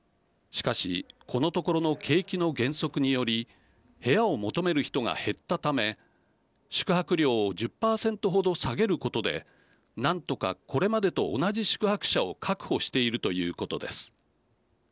しかし、このところの景気の減速により部屋を求める人が減ったため宿泊料を１０％程下げることで何とか、これまでと同じ宿泊者を確保しているということです。